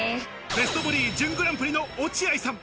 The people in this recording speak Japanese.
ベストボディ準グランプリの落合さん。